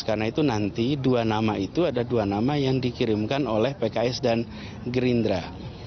karena itu nanti dua nama itu ada dua nama yang dikirimkan oleh pks dan gerindra